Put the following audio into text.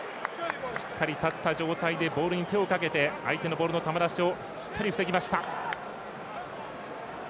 しっかり立った状態でボールに手をかけて相手のボールの球出しをしっかり防ぎました。